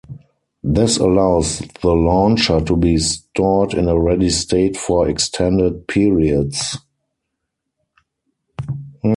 This allows the launcher to be stored in a ready state for extended periods.